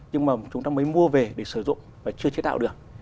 nhưng mà chúng ta mới mua về để sử dụng và chưa chế tạo được